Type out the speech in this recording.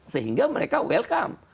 sehingga mereka welcome